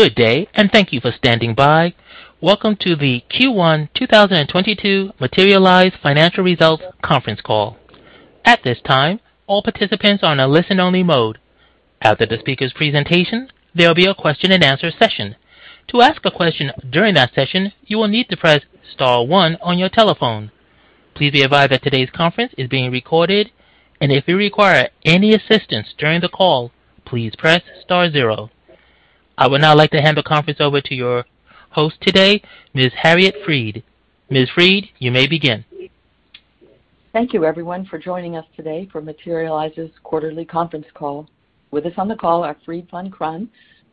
Good day, thank you for standing by. Welcome to the Q1 2022 Materialise Financial Results conference call. At this time, all participants are in a listen-only mode. After the speaker's presentation, there will be a question and answer session. To ask a question during that session, you will need to press star one on your telephone. Please be advised that today's conference is being recorded, and if you require any assistance during the call, please press star zero. I would now like to hand the conference over to your host today, Ms. Harriet Fried. Ms. Fried, you may begin. Thank you everyone for joining us today for Materialise's quarterly conference call. With us on the call are Fried Vancraen,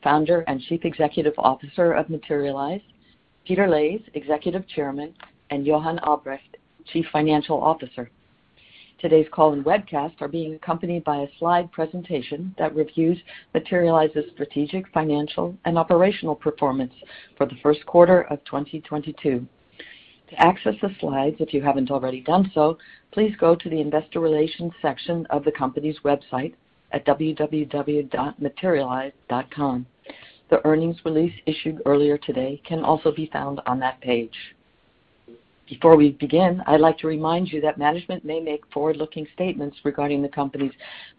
Founder and Chief Executive Officer of Materialise, Peter Leys, Executive Chairman, and Johan Albrecht, Chief Financial Officer. Today's call and webcast are being accompanied by a slide presentation that reviews Materialise's strategic, financial, and operational performance for the first quarter of 2022. To access the slides, if you haven't already done so, please go to the investor relations section of the company's website at www.materialise.com. The earnings release issued earlier today can also be found on that page. Before we begin, I'd like to remind you that management may make forward-looking statements regarding the company's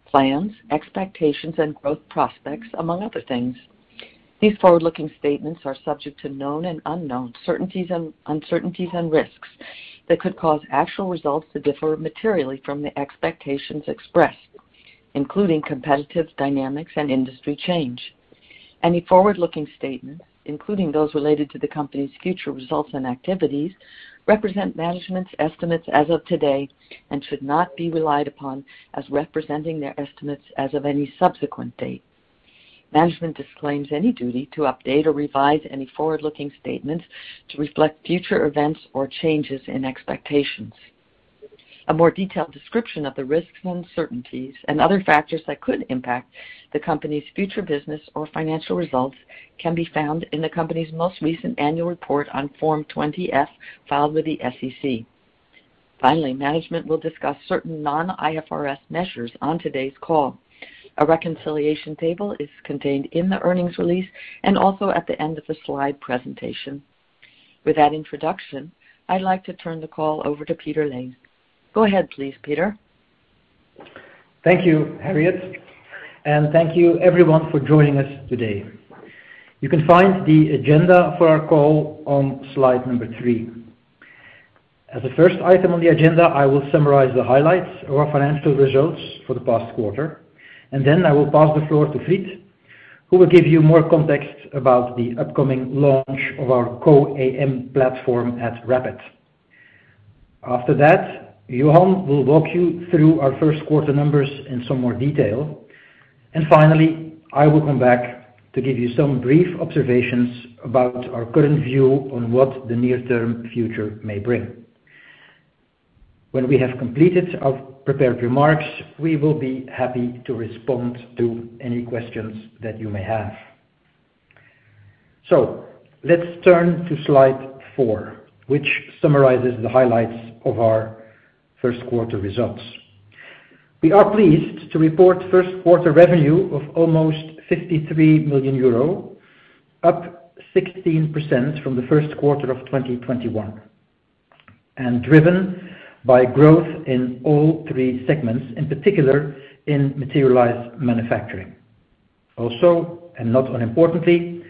plans, expectations, and growth prospects, among other things. These forward-looking statements are subject to known and unknown certainties, and uncertainties and risks that could cause actual results to differ materially from the expectations expressed, including competitive dynamics and industry change. Any forward-looking statement, including those related to the company's future results and activities, represent management's estimates as of today and should not be relied upon as representing their estimates as of any subsequent date. Management disclaims any duty to update or revise any forward-looking statements to reflect future events or changes in expectations. A more detailed description of the risks and uncertainties and other factors that could impact the company's future business or financial results can be found in the company's most recent annual report on Form 20-F filed with the SEC. Finally, management will discuss certain non-IFRS measures on today's call. A reconciliation table is contained in the earnings release and also at the end of the slide presentation. With that introduction, I'd like to turn the call over to Peter Leys. Go ahead, please, Peter. Thank you, Harriet, and thank you everyone for joining us today. You can find the agenda for our call on slide number 3. As the first item on the agenda, I will summarize the highlights of our financial results for the past quarter, and then I will pass the floor to Fried, who will give you more context about the upcoming launch of our CO-AM platform at RAPID. After that, Johan will walk you through our first quarter numbers in some more detail. Finally, I will come back to give you some brief observations about our current view on what the near-term future may bring. When we have completed our prepared remarks, we will be happy to respond to any questions that you may have. Let's turn to slide 4, which summarizes the highlights of our first quarter results. We are pleased to report first quarter revenue of almost 53 million euro, up 16% from the first quarter of 2021, and driven by growth in all three segments, in particular in Materialise Manufacturing. Also, and not unimportantly,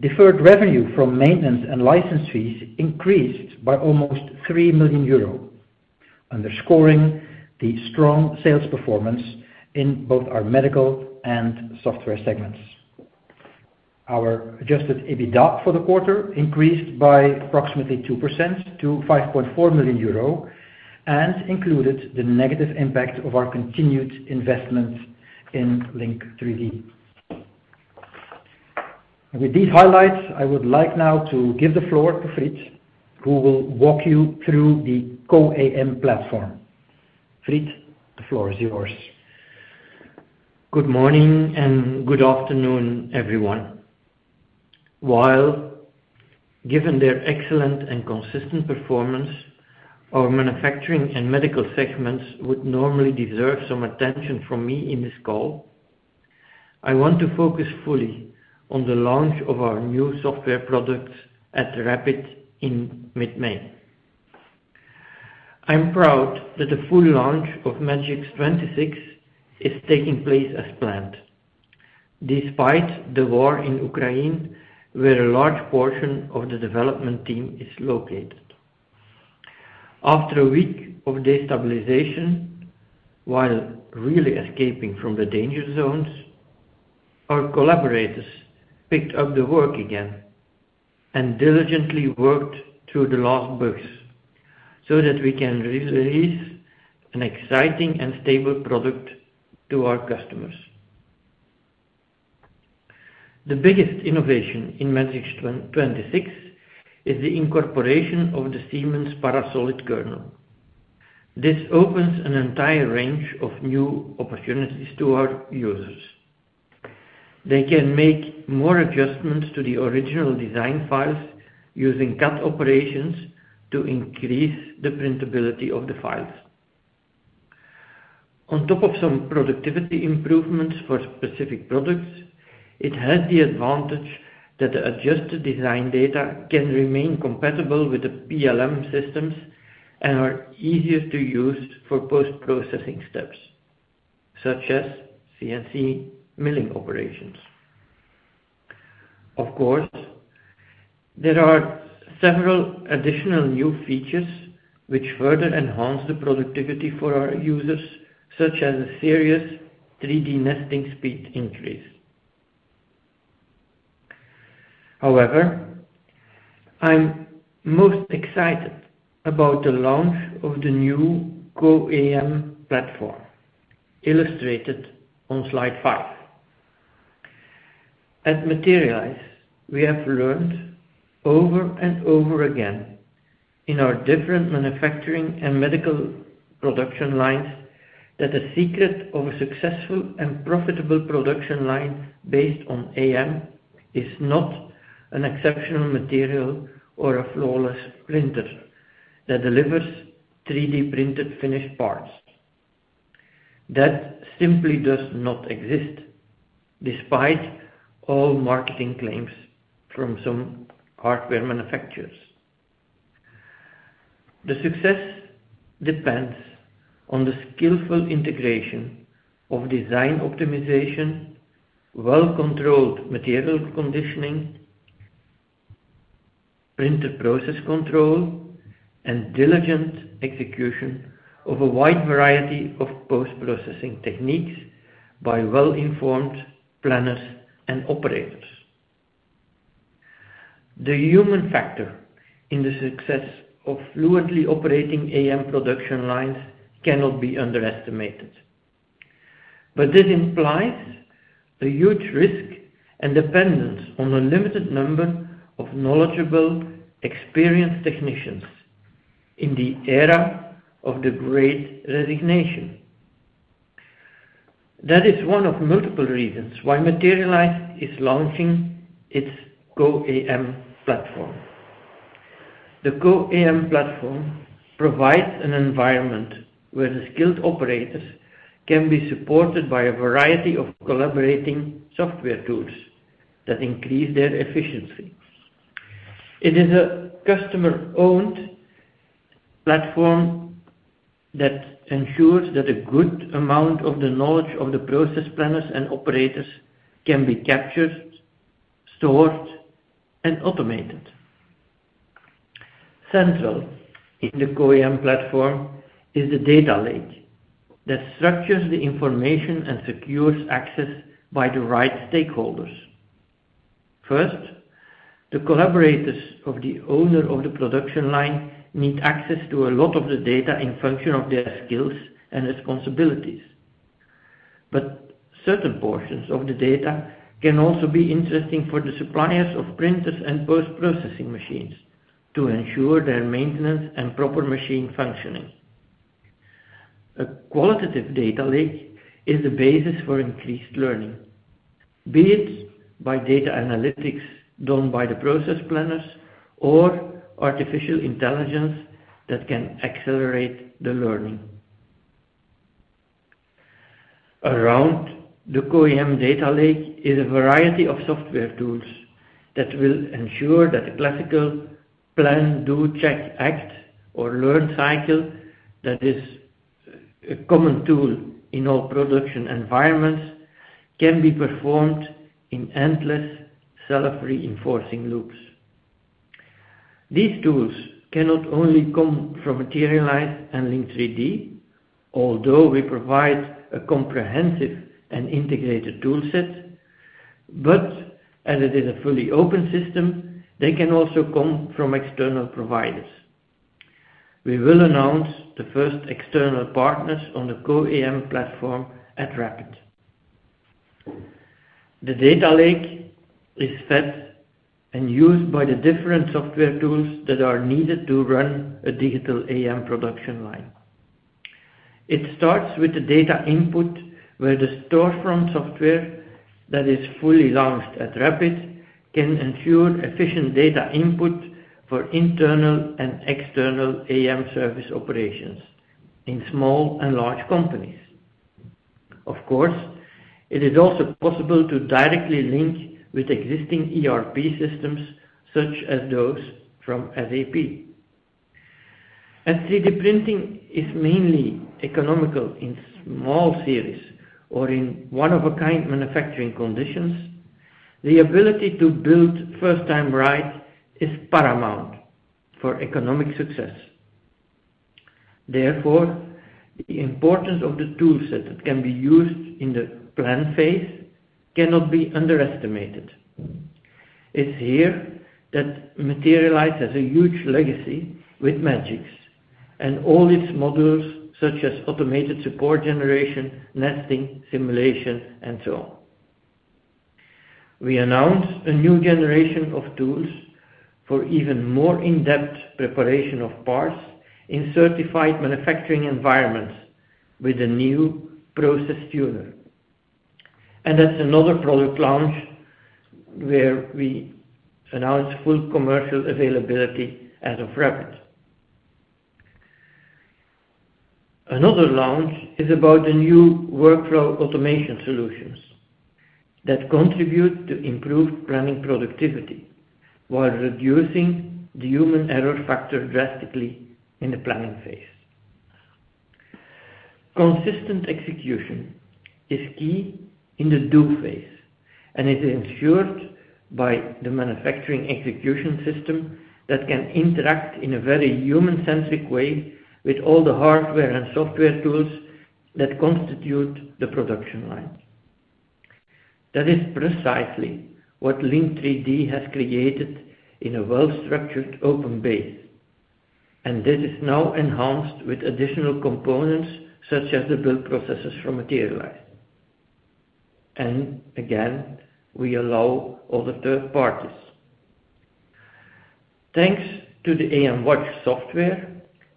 deferred revenue from maintenance and license fees increased by almost 3 million euro, underscoring the strong sales performance in both our medical and software segments. Our adjusted EBITDA for the quarter increased by approximately 2% to 5.4 million euro and included the negative impact of our continued investment in Link3D. With these highlights, I would like now to give the floor to Fried, who will walk you through the CO-AM platform. Fried, the floor is yours. Good morning and good afternoon, everyone. While given their excellent and consistent performance, our manufacturing and medical segments would normally deserve some attention from me in this call, I want to focus fully on the launch of our new software product at RAPID in mid-May. I'm proud that the full launch of Magics 26 is taking place as planned, despite the war in Ukraine, where a large portion of the development team is located. After a week of destabilization, while really escaping from the danger zones, our collaborators picked up the work again and diligently worked through the last bugs so that we can release an exciting and stable product to our customers. The biggest innovation in Magics 26 is the incorporation of the Siemens Parasolid kernel. This opens an entire range of new opportunities to our users. They can make more adjustments to the original design files using CAD operations to increase the printability of the files. On top of some productivity improvements for specific products, it has the advantage that the adjusted design data can remain compatible with the PLM systems and are easier to use for post-processing steps, such as CNC milling operations. Of course, there are several additional new features which further enhance the productivity for our users, such as a serious 3D nesting speed increase. However, I'm most excited about the launch of the new CO-AM platform, illustrated on slide five. At Materialise, we have learned over and over again in our different manufacturing and medical production lines that the secret of a successful and profitable production line based on AM is not an exceptional material or a flawless printer that delivers 3D-printed finished parts. That simply does not exist, despite all marketing claims from some hardware manufacturers. The success depends on the skillful integration of design optimization, well-controlled material conditioning, printer process control, and diligent execution of a wide variety of post-processing techniques by well-informed planners and operators. The human factor in the success of fluently operating AM production lines cannot be underestimated. This implies a huge risk and dependence on a limited number of knowledgeable, experienced technicians in the era of the Great Resignation. That is one of multiple reasons why Materialise is launching its CO-AM platform. The CO-AM platform provides an environment where the skilled operators can be supported by a variety of collaborating software tools that increase their efficiency. It is a customer-owned platform that ensures that a good amount of the knowledge of the process planners and operators can be captured, stored, and automated. Central in the CO-AM platform is the data lake that structures the information and secures access by the right stakeholders. First, the collaborators of the owner of the production line need access to a lot of the data in function of their skills and responsibilities. Certain portions of the data can also be interesting for the suppliers of printers and post-processing machines to ensure their maintenance and proper machine functioning. A qualitative data lake is the basis for increased learning, be it by data analytics done by the process planners or artificial intelligence that can accelerate the learning. Around the CO-AM data lake is a variety of software tools that will ensure that the classical plan, do, check, act, or learn cycle that is a common tool in all production environments can be performed in endless self-reinforcing loops. These tools cannot only come from Materialise and Link3D, although we provide a comprehensive and integrated tool set, but as it is a fully open system, they can also come from external providers. We will announce the first external partners on the CO-AM platform at Rapid. The data lake is fed and used by the different software tools that are needed to run a digital AM production line. It starts with the data input, where the storefront software that is fully launched at Rapid can ensure efficient data input for internal and external AM service operations in small and large companies. Of course, it is also possible to directly link with existing ERP systems such as those from SAP. As 3D printing is mainly economical in small series or in one-of-a-kind manufacturing conditions, the ability to build first time right is paramount for economic success. Therefore, the importance of the tool set that can be used in the plan phase cannot be underestimated. It's here that Materialise has a huge legacy with Magics and all its modules, such as automated support generation, nesting, simulation, and so on. We announced a new generation of tools for even more in-depth preparation of parts in certified manufacturing environments with the new Process Tuner. And that's another product launch where we announce full commercial availability as of RAPID. Another launch is about the new workflow automation solutions that contribute to improved planning productivity while reducing the human error factor drastically in the planning phase. Consistent execution is key in the do phase, and is ensured by the manufacturing execution system that can interact in a very human-centric way with all the hardware and software tools that constitute the production line. That is precisely what Link3D has created in a well-structured, open-based, and this is now enhanced with additional components such as the build processes from Materialise. Again, we allow other third parties. Thanks to the AM Watch software,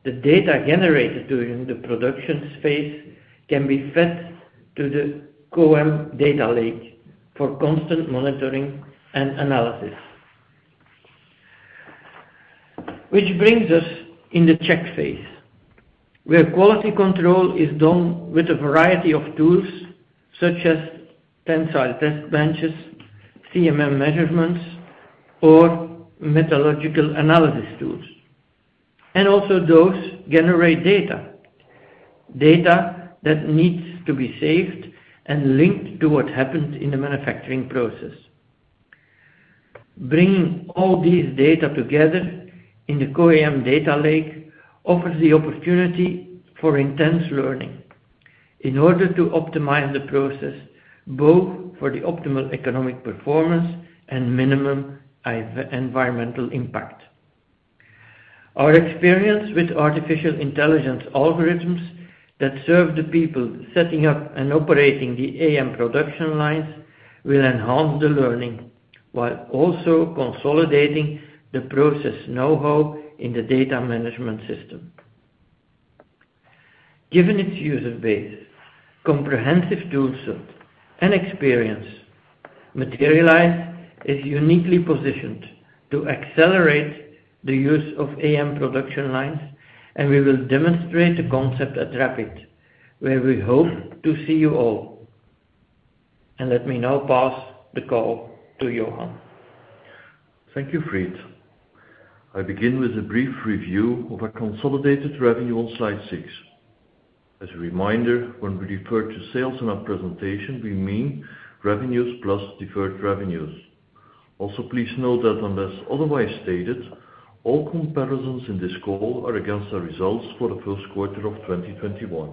the data generated during the production phase can be fed to the CO-AM data lake for constant monitoring and analysis. Which brings us to the check phase, where quality control is done with a variety of tools such as tensile test benches, CMM measurements, or metallurgical analysis tools. Those also generate data that needs to be saved and linked to what happened in the manufacturing process. Bringing all these data together in the CO-AM data lake offers the opportunity for intense learning in order to optimize the process both for the optimal economic performance and minimum environmental impact. Our experience with artificial intelligence algorithms that serve the people setting up and operating the AM production lines will enhance the learning while also consolidating the process know-how in the data management system. Given its user base, comprehensive tool set, and experience, Materialise is uniquely positioned to accelerate the use of AM production lines, and we will demonstrate the concept at RAPID, where we hope to see you all. Let me now pass the call to Johan. Thank you, Fried. I begin with a brief review of our consolidated revenue on slide 6. As a reminder, when we refer to sales in our presentation, we mean revenues plus deferred revenues. Also, please note that unless otherwise stated, all comparisons in this call are against our results for the first quarter of 2021.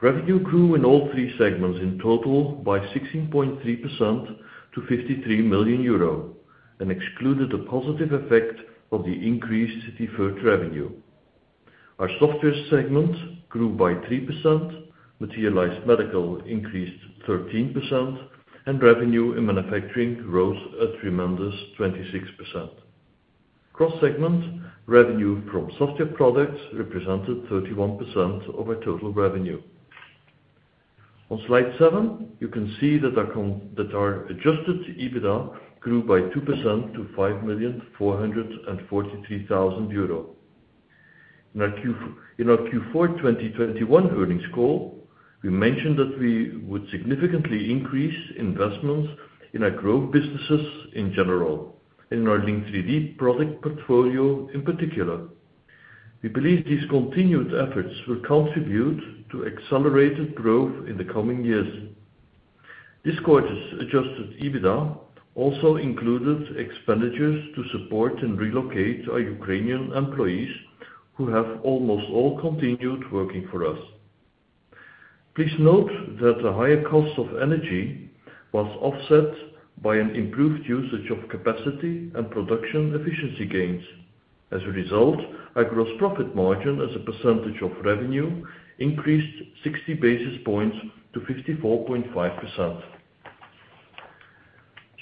Revenue grew in all three segments in total by 16.3% to 53 million euro and excluded the positive effect of the increased deferred revenue. Our software segment grew by 3%, Materialise Medical increased 13%, and revenue in manufacturing rose a tremendous 26%. Cross segment revenue from software products represented 31% of our total revenue. On slide 7, you can see that our adjusted EBITDA grew by 2% to 5.443 million euro. In our Q4 2021 earnings call, we mentioned that we would significantly increase investments in our growth businesses in general and in our Link3D product portfolio in particular. We believe these continued efforts will contribute to accelerated growth in the coming years. This quarter's adjusted EBITDA also included expenditures to support and relocate our Ukrainian employees who have almost all continued working for us. Please note that the higher cost of energy was offset by an improved usage of capacity and production efficiency gains. As a result, our gross profit margin as a percentage of revenue increased 60 basis points to 54.5%.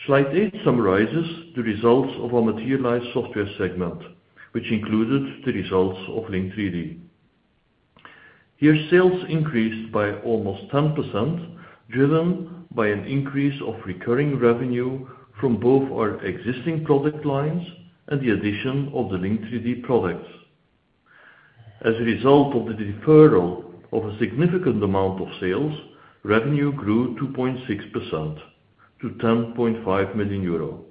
Slide 8 summarizes the results of our Materialise software segment, which included the results of Link3D. Here, sales increased by almost 10%, driven by an increase of recurring revenue from both our existing product lines and the addition of the Link3D products. As a result of the deferral of a significant amount of sales, revenue grew 2.6% to 10.5 million euro.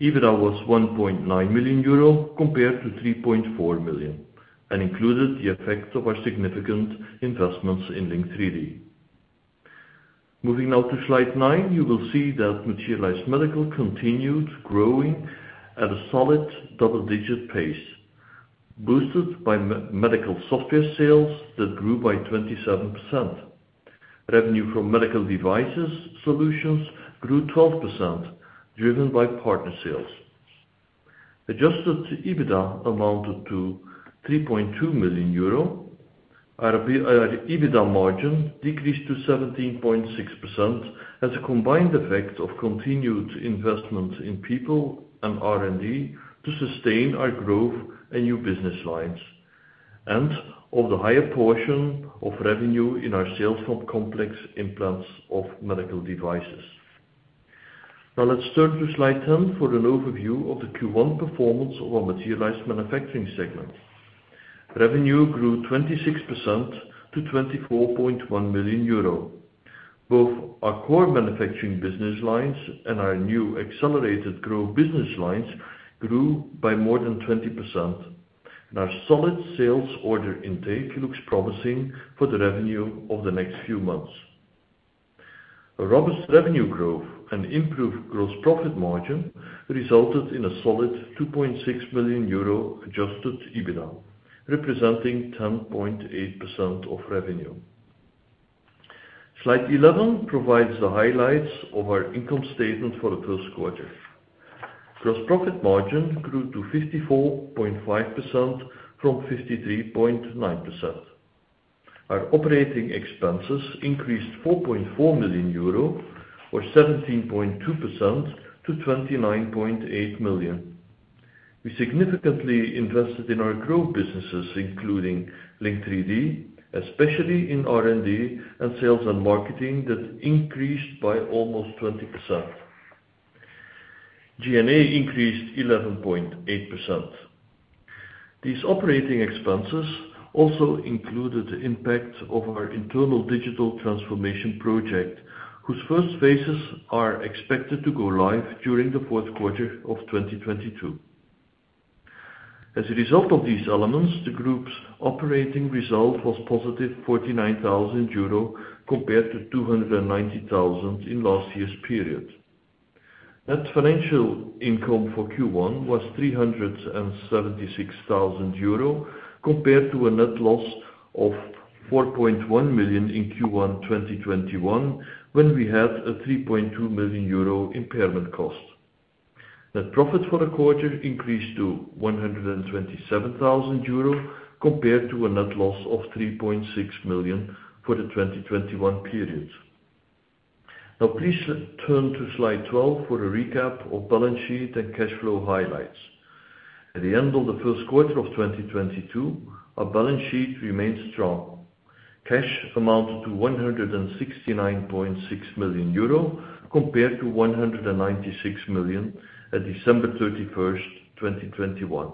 EBITDA was 1.9 million euro compared to 3.4 million and included the effect of our significant investments in Link3D. Moving now to slide 9, you will see that Materialise Medical continued growing at a solid double-digit pace, boosted by Materialise Medical software sales that grew by 27%. Revenue from medical devices solutions grew 12%, driven by partner sales. Adjusted EBITDA amounted to 3.2 million euro. Our EBITDA margin decreased to 17.6% as a combined effect of continued investment in people and R&D to sustain our growth and new business lines. Of the higher portion of revenue in our sales of complex implants and medical devices. Now let's turn to slide 10 for an overview of the Q1 performance of our Materialise Manufacturing segment. Revenue grew 26% to 24.1 million euro. Both our core manufacturing business lines and our new accelerated growth business lines grew by more than 20%, and our solid sales order intake looks promising for the revenue over the next few months. A robust revenue growth and improved gross profit margin resulted in a solid 2.6 million euro adjusted EBITDA, representing 10.8% of revenue. Slide 11 provides the highlights of our income statement for the first quarter. Gross profit margin grew to 54.5% from 53.9%. Our operating expenses increased 4.4 million euro or 17.2% to 29.8 million. We significantly invested in our growth businesses, including Link3D, especially in R&D and sales and marketing that increased by almost 20%. G&A increased 11.8%. These operating expenses also included the impact of our internal digital transformation project, whose first phases are expected to go live during the fourth quarter of 2022. As a result of these elements, the group's operating result was positive 49,000 euro compared to 290,000 in last year's period. Net financial income for Q1 was 376 thousand euro compared to a net loss of 4.1 million in Q1 2021, when we had a 3.2 million euro impairment cost. Net profit for the quarter increased to 127 thousand euro compared to a net loss of 3.6 million for the 2021 period. Now please turn to slide 12 for a recap of balance sheet and cash flow highlights. At the end of the first quarter of 2022, our balance sheet remained strong. Cash amounted to 169.6 million euro compared to 196 million at December 31, 2021.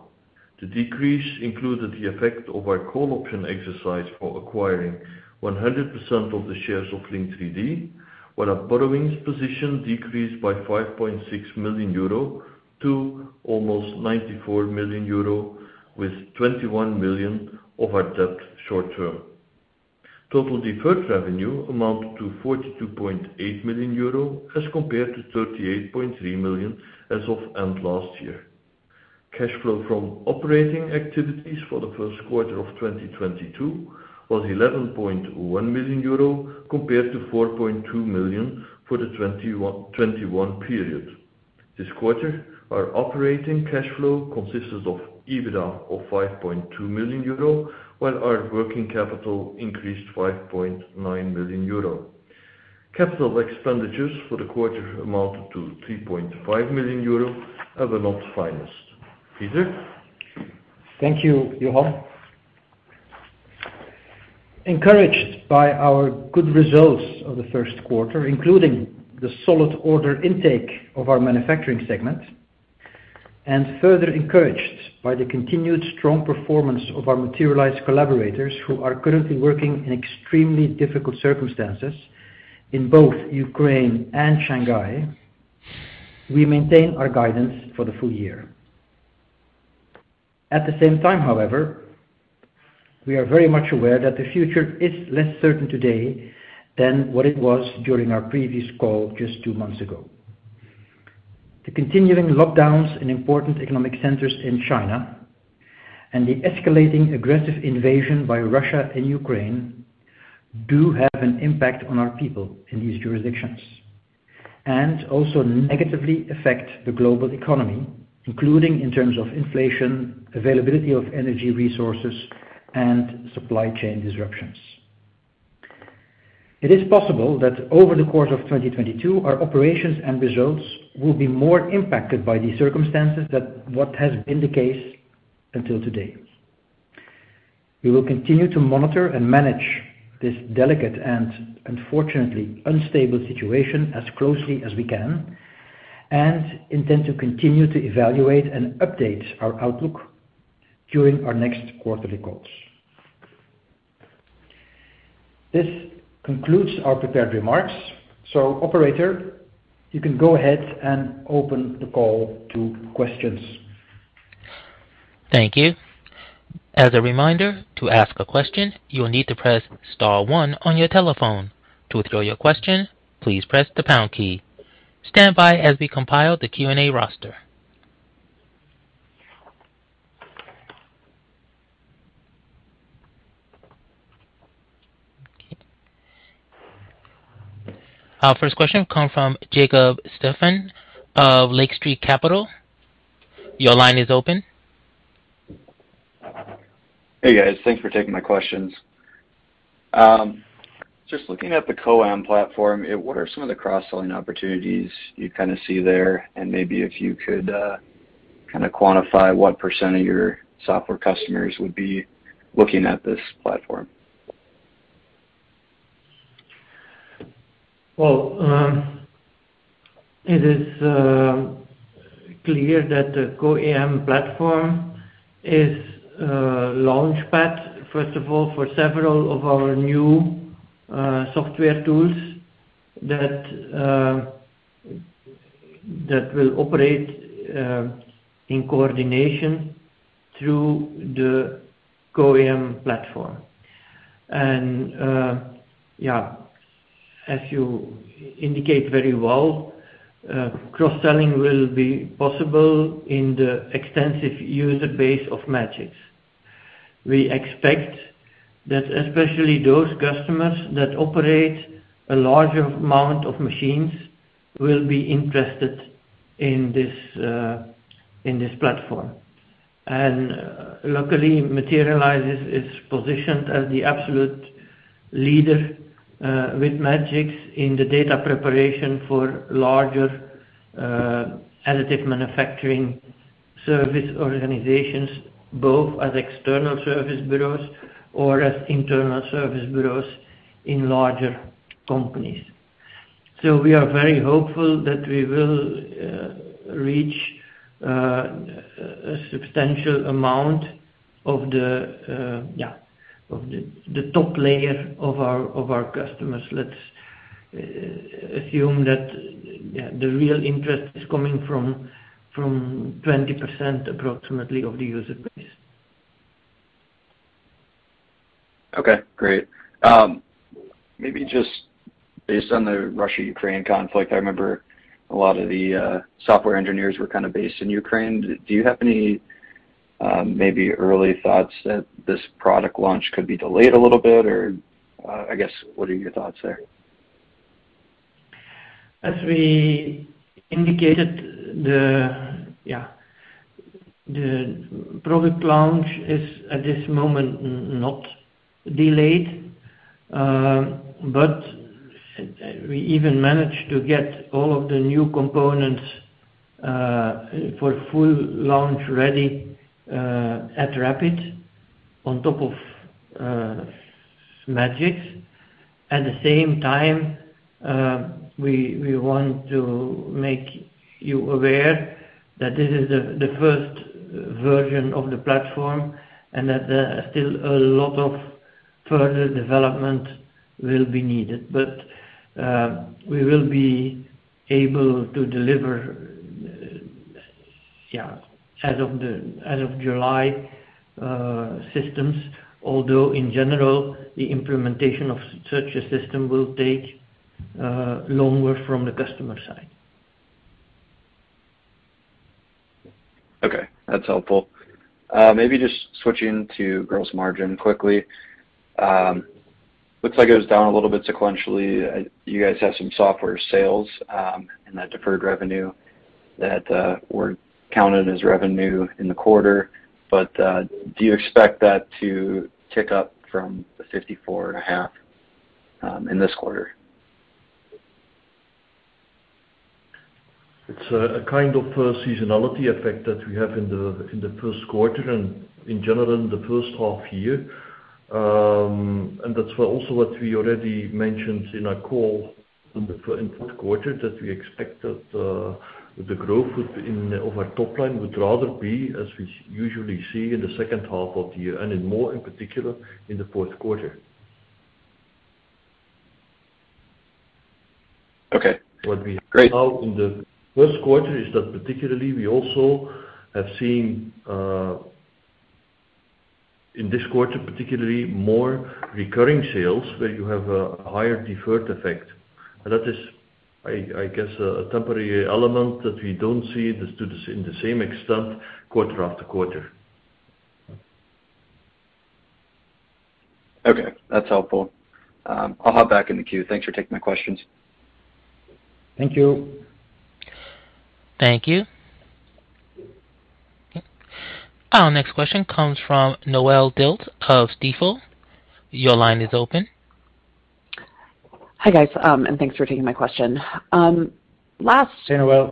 The decrease included the effect of our call option exercise for acquiring 100% of the shares of Link3D, while our borrowings position decreased by 5.6 million euro to almost 94 million euro with 21 million of our debt short term. Total deferred revenue amounted to 42.8 million euro as compared to 38.3 million as of end last year. Cash flow from operating activities for the first quarter of 2022 was 11.1 million euro compared to 4.2 million for the 2021 period. This quarter, our operating cash flow consisted of EBITDA of 5.2 million euro, while our working capital increased 5.9 million euro. Capital expenditures for the quarter amounted to 3.5 million euro and were not financed. Peter? Thank you, Johan. Encouraged by our good results of the first quarter, including the solid order intake of our manufacturing segment, and further encouraged by the continued strong performance of our Materialise collaborators who are currently working in extremely difficult circumstances in both Ukraine and Shanghai, we maintain our guidance for the full year. At the same time, however, we are very much aware that the future is less certain today than what it was during our previous call just two months ago. The continuing lockdowns in important economic centers in China and the escalating aggressive invasion by Russia in Ukraine do have an impact on our people in these jurisdictions, and also negatively affect the global economy, including in terms of inflation, availability of energy resources, and supply chain disruptions. It is possible that over the course of 2022, our operations and results will be more impacted by these circumstances than what has been the case until today. We will continue to monitor and manage this delicate and unfortunately unstable situation as closely as we can and intend to continue to evaluate and update our outlook during our next quarterly calls. This concludes our prepared remarks. Operator, you can go ahead and open the call to questions. Thank you. As a reminder, to ask a question, you will need to press star one on your telephone. To withdraw your question, please press the pound key. Stand by as we compile the Q&A roster. Our first question comes from Jacob Stephan of Lake Street Capital Markets. Your line is open. Hey, guys. Thanks for taking my questions. Just looking at the CO-AM platform, what are some of the cross-selling opportunities you kind of see there? Maybe if you could, kind of quantify what percent of your software customers would be looking at this platform. Well, it is clear that the CO-AM platform is a launchpad, first of all, for several of our new software tools that will operate in coordination through the CO-AM platform. Yeah, as you indicate very well, cross-selling will be possible in the extensive user base of Magics. We expect that especially those customers that operate a larger amount of machines will be interested in this platform. Luckily, Materialise is positioned as the absolute leader with Magics in the data preparation for larger additive manufacturing service organizations, both as external service bureaus or as internal service bureaus in larger companies. We are very hopeful that we will reach a substantial amount of the top layer of our customers. Let's assume that the real interest is coming from 20% approximately of the user base. Okay, great. Maybe just based on the Russia-Ukraine conflict, I remember a lot of the software engineers were kind of based in Ukraine. Do you have any maybe early thoughts that this product launch could be delayed a little bit, or I guess, what are your thoughts there? As we indicated, the product launch is, at this moment, not delayed. We even managed to get all of the new components for full launch ready at RAPID on top of Magics. At the same time, we want to make you aware that this is the first version of the platform and that there are still a lot of further development will be needed. We will be able to deliver as of July systems. Although in general, the implementation of such a system will take longer from the customer side. Okay, that's helpful. Maybe just switching to gross margin quickly. Looks like it was down a little bit sequentially. You guys have some software sales in that deferred revenue that were counted as revenue in the quarter. Do you expect that to tick up from the 54.5% in this quarter? It's a kind of seasonality effect that we have in the first quarter and in general, in the first half year. That's also what we already mentioned in our call in the fourth quarter, that we expect that, the growth of our top line would rather be, as we usually see, in the second half of the year, and more in particular, in the fourth quarter. Okay, great. What we have now in the first quarter is that particularly we also have seen, in this quarter, particularly more recurring sales where you have a higher deferred effect. That is, I guess, a temporary element that we don't see in the same extent quarter after quarter. Okay, that's helpful. I'll hop back in the queue. Thanks for taking my questions. Thank you. Thank you. Our next question comes from Noelle Dilts of Stifel. Your line is open. Hi, guys, and thanks for taking my question. Last. Noelle.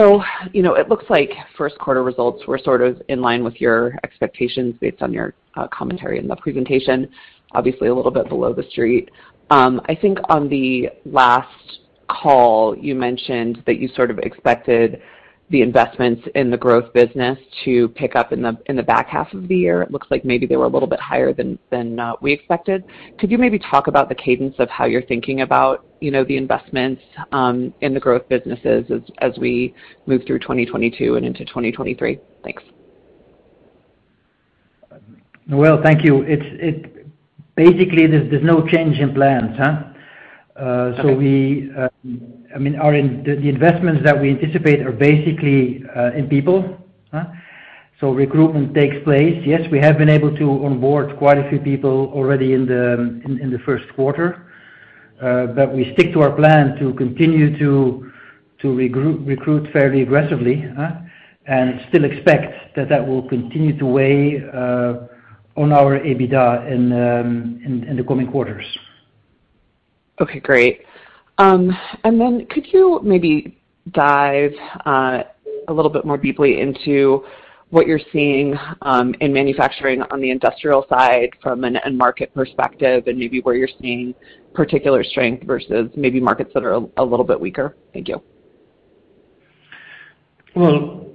You know, it looks like first quarter results were sort of in line with your expectations based on your commentary in the presentation, obviously a little bit below the street. I think on the last call, you mentioned that you sort of expected the investments in the growth business to pick up in the back half of the year. It looks like maybe they were a little bit higher than we expected. Could you maybe talk about the cadence of how you are thinking about, you know, the investments in the growth businesses as we move through 2022 and into 2023? Thanks. Noelle, thank you. It's basically, there's no change in plans, huh? Okay. We, I mean, the investments that we anticipate are basically in people. Recruitment takes place. Yes, we have been able to onboard quite a few people already in the first quarter. We stick to our plan to continue to recruit fairly aggressively, and still expect that will continue to weigh on our EBITDA in the coming quarters. Okay, great. Could you maybe dive a little bit more deeply into what you're seeing in manufacturing on the industrial side from an end market perspective and maybe where you're seeing particular strength versus maybe markets that are a little bit weaker? Thank you. Well,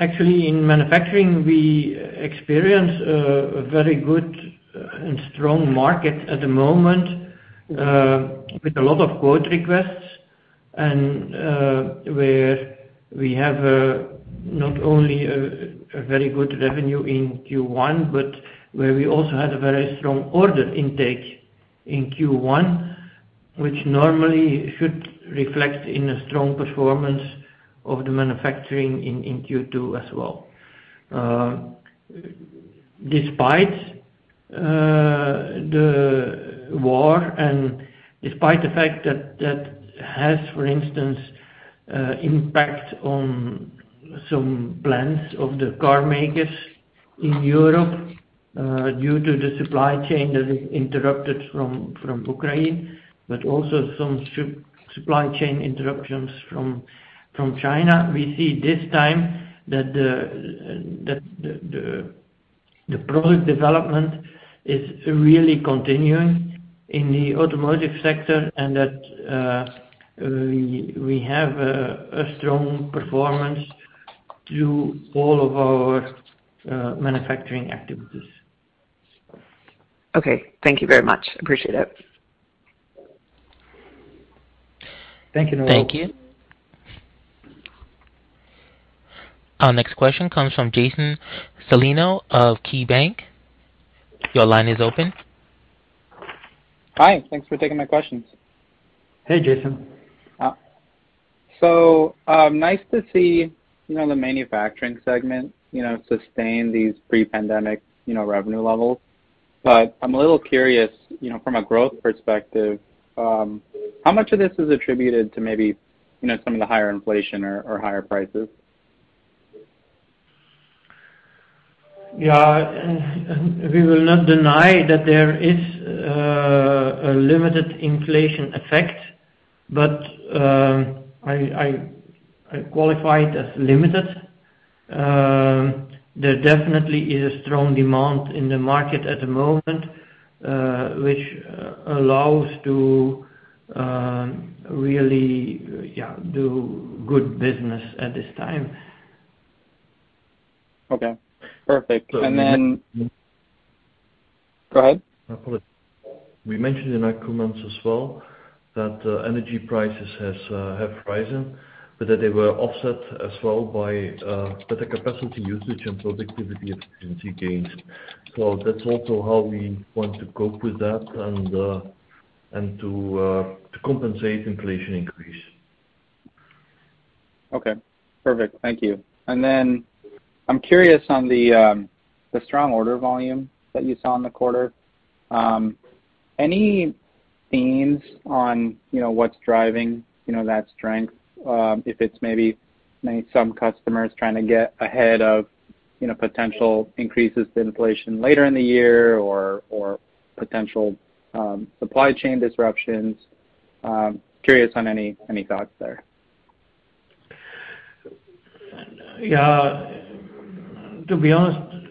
actually, in manufacturing, we experience a very good and strong market at the moment, with a lot of quote requests and, where we have, not only a very good revenue in Q1, but where we also had a very strong order intake in Q1, which normally should reflect in a strong performance of the manufacturing in Q2 as well. Despite the war and despite the fact that has, for instance, impact on some plans of the car makers in Europe, due to the supply chain that is interrupted from Ukraine, but also some supply chain interruptions from China. We see this time that the product development is really continuing in the automotive sector and that, we have a strong performance through all of our manufacturing activities. Okay. Thank you very much. Appreciate it. Thank you, Noelle. Thank you. Our next question comes from Jason Celino of KeyBanc Capital Markets. Your line is open. Hi. Thanks for taking my questions. Hey, Jason. Nice to see, you know, the manufacturing segment, you know, sustain these pre-pandemic, you know, revenue levels. I'm a little curious, you know, from a growth perspective, how much of this is attributed to maybe, you know, some of the higher inflation or higher prices? Yeah. We will not deny that there is a limited inflation effect, but I qualify it as limited. There definitely is a strong demand in the market at the moment, which allows to really, yeah, do good business at this time. Okay. Perfect. So we- Go ahead. We mentioned in our comments as well that energy prices have risen, but that they were offset as well by better capacity usage and productivity efficiency gains. That's also how we want to cope with that and to compensate inflation increase. Okay. Perfect. Thank you. I'm curious on the strong order volume that you saw in the quarter. Any themes on, you know, what's driving, you know, that strength, if it's maybe some customers trying to get ahead of, you know, potential increases to inflation later in the year or potential supply chain disruptions? Curious on any thoughts there. To be honest,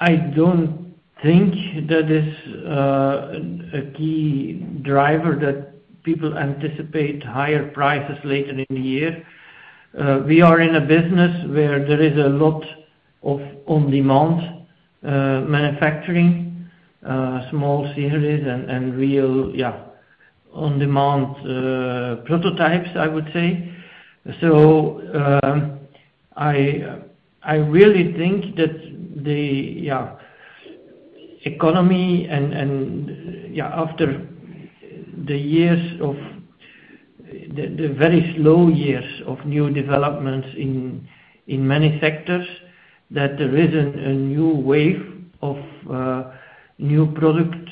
I don't think that is a key driver that people anticipate higher prices later in the year. We are in a business where there is a lot of on-demand manufacturing, small series and real on-demand prototypes, I would say. I really think that the economy and after the years of the very slow years of new developments in many sectors, that there is a new wave of new product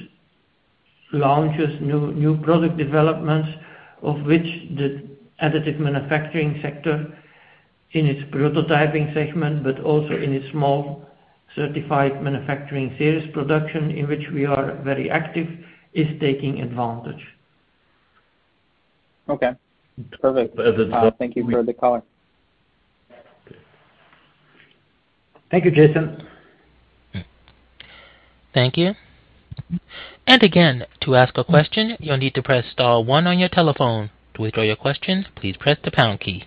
launches, new product developments, of which the additive manufacturing sector in its prototyping segment, but also in its small certified manufacturing series production, in which we are very active, is taking advantage. Okay. Perfect. But as- Thank you for the color. Thank you, Jason. Thank you. To ask a question, you'll need to press star one on your telephone. To withdraw your questions, please press the pound key.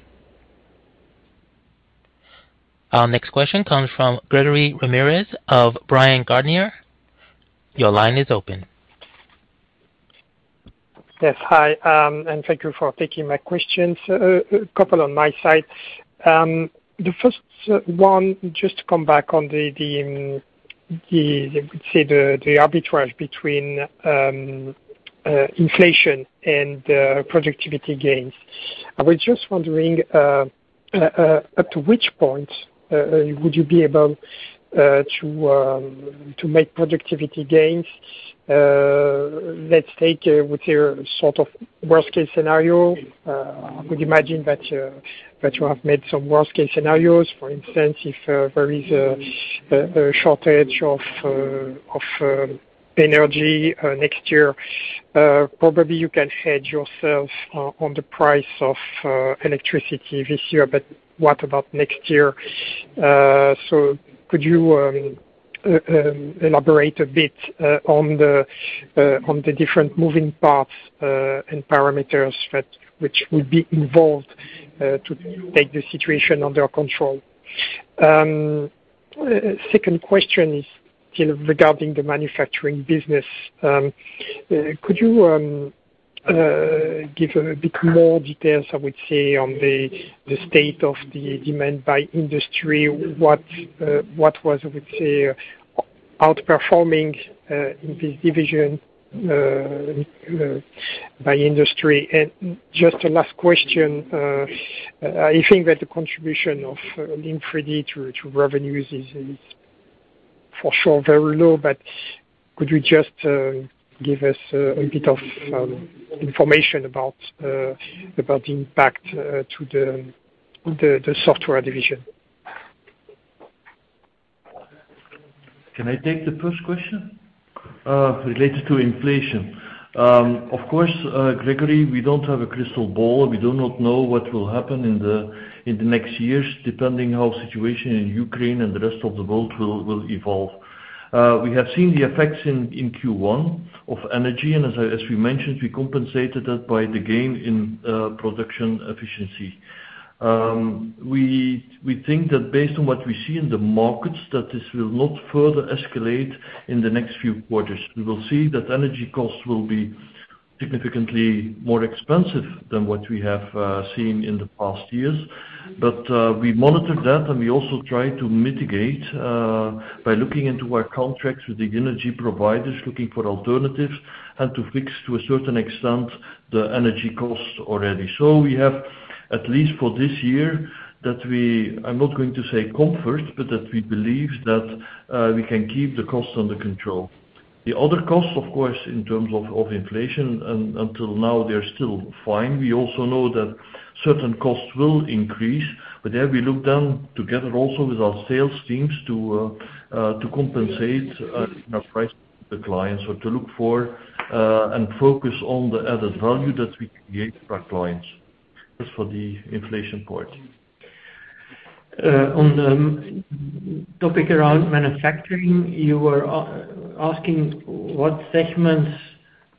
Our next question comes from Gregory Ramirez of Bryan, Garnier & Co. Your line is open. Yes. Hi, and thank you for taking my questions. A couple on my side. The first one, just to come back on the you could say, the arbitrage between inflation and productivity gains. I was just wondering up to which point would you be able to make productivity gains? Let's take with your sort of worst-case scenario. I would imagine that you have made some worst-case scenarios. For instance, if there is a shortage of energy next year, probably you can hedge yourself on the price of electricity this year. What about next year? Could you elaborate a bit on the different moving parts and parameters that which would be involved to take the situation under control? Second question is kind of regarding the manufacturing business. Could you give a bit more details, I would say, on the state of the demand by industry? What was, I would say, outperforming in this division by industry? Just a last question, I think that the contribution of Link3D to revenues is for sure very low. Could you just give us a bit of information about the impact to the software division? Can I take the first question related to inflation? Of course, Gregory, we don't have a crystal ball. We do not know what will happen in the next years, depending on how the situation in Ukraine and the rest of the world will evolve. We have seen the effects in Q1 of energy, and as we mentioned, we compensated that by the gain in production efficiency. We think that based on what we see in the markets, that this will not further escalate in the next few quarters. We will see that energy costs will be significantly more expensive than what we have seen in the past years. We monitor that, and we also try to mitigate by looking into our contracts with the energy providers, looking for alternatives, and to fix, to a certain extent, the energy costs already. We have, at least for this year, that we... I'm not going to say comfort, but that we believe that we can keep the costs under control. The other costs, of course, in terms of inflation until now, they're still fine. We also know that certain costs will increase, but there we look then together also with our sales teams to compensate in our price with the clients or to look for and focus on the added value that we create for our clients. That's for the inflation point. On the topic around manufacturing, you were asking what segments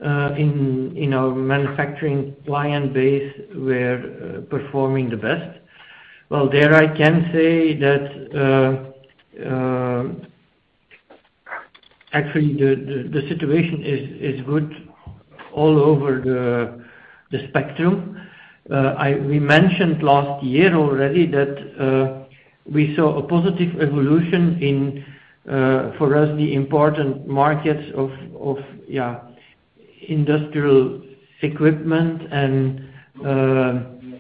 in our manufacturing client base were performing the best. Well, there I can say that actually the situation is good all over the spectrum. We mentioned last year already that we saw a positive evolution in for us the important markets of yeah industrial equipment and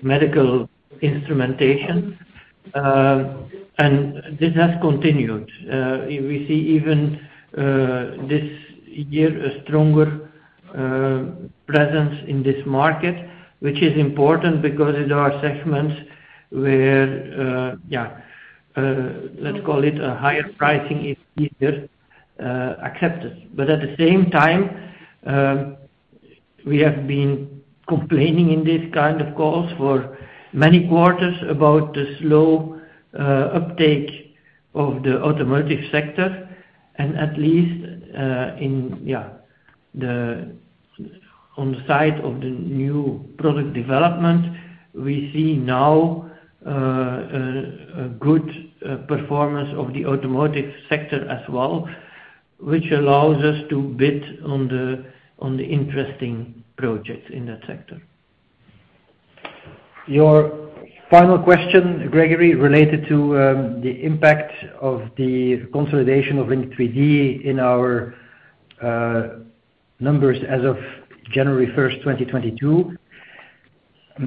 medical instrumentation. This has continued. We see even this year a stronger presence in this market, which is important because these are segments where yeah let's call it a higher pricing is either accepted. At the same time, we have been complaining in this kind of calls for many quarters about the slow uptake of the automotive sector. At least on the side of the new product development, we see now a good performance of the automotive sector as well, which allows us to bid on the interesting projects in that sector. Your final question, Gregory, related to the impact of the consolidation of Link3D in our numbers as of January first, 2022.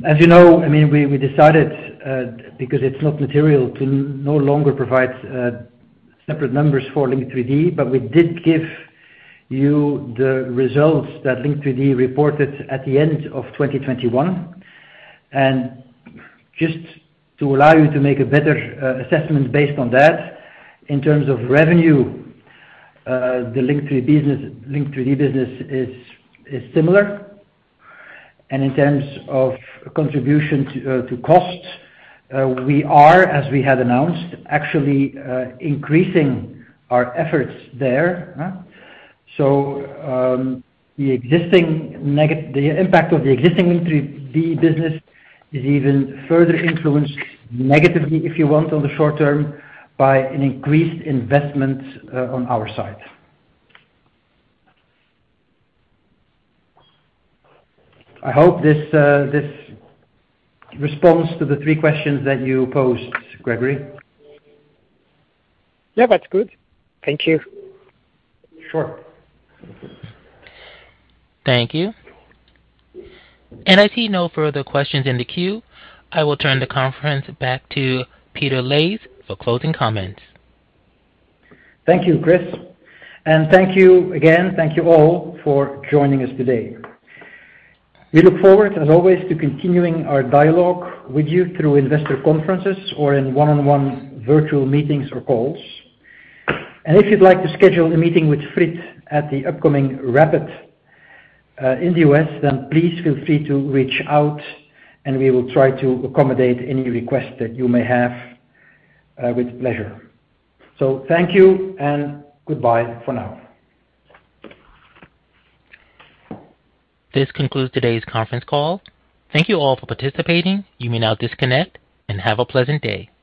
As you know, I mean, we decided because it's not material to no longer provide separate numbers for Link3D, but we did give you the results that Link3D reported at the end of 2021. Just to allow you to make a better assessment based on that, in terms of revenue, the Link3D business is similar. In terms of contribution to costs, we are, as we had announced, actually, increasing our efforts there. The impact of the existing Link3D business is even further influenced negatively, if you want, on the short-term by an increased investment on our side. I hope this responds to the three questions that you posed, Gregory. Yeah, that's good. Thank you. Sure. Thank you. I see no further questions in the queue. I will turn the conference back to Peter Leys for closing comments. Thank you, Chris. Thank you again. Thank you all for joining us today. We look forward, as always, to continuing our dialogue with you through investor conferences or in one-on-one virtual meetings or calls. If you'd like to schedule a meeting with Fried at the upcoming Rapid in the U.S., then please feel free to reach out, and we will try to accommodate any request that you may have, with pleasure. Thank you and goodbye for now. This concludes today's conference call. Thank you all for participating. You may now disconnect and have a pleasant day.